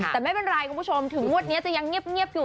แต่ไม่เป็นไรคุณผู้ชมถึงงวดนี้จะยังเงียบอยู่